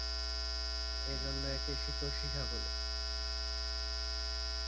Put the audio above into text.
এজন্য একে শীতল শিখা বলে।